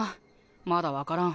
まだ分からん。